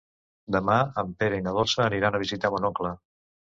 Demà en Pere i na Dolça aniran a visitar mon oncle.